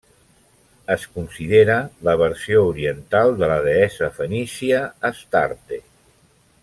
Es considera la versió oriental de la deessa fenícia Astarte.